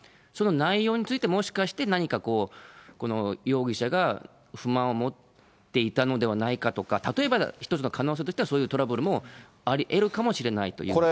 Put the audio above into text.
その内容について、もしかして、何か容疑者が不満を持っていたのではないかとか、例えば一つの可能性としては、そういうトラブルもありえるかもしれないという。